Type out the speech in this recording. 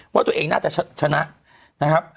ว่าตัวเองน่าจะชนะนะครับ